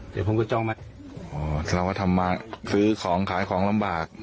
เดี๋ยวผมก็จ้องไหมอ๋อเราก็ทำมาซื้อของขายของลำบาก